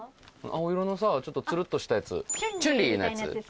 青色のさちょっとツルッとしたやつ春麗みたいなやつですか？